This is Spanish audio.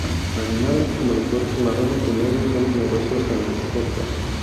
Animales como los osos marrones y negros son numerosos en la costa.